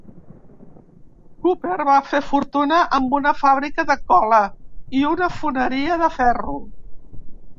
Cooper va fer fortuna amb una fàbrica de cola, i una foneria de ferro.